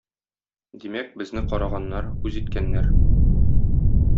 Димәк, безне караганнар, үз иткәннәр.